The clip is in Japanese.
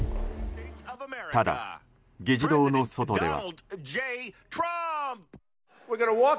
ただ、議事堂の外では。